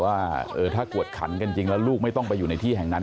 ว่าถ้ากวดขันกันจริงแล้วลูกไม่ต้องไปอยู่ในที่แห่งนั้น